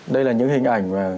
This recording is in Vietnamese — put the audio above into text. đây là những hình ảnh